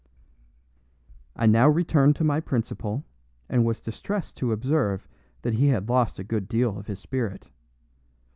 I now returned to my principal, and was distressed to observe that he had lost a good deal of his spirit.